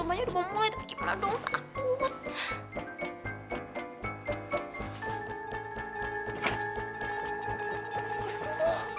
banyak mulai gimana dong aku